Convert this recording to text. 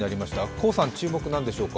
黄さん、注目何でしょうか？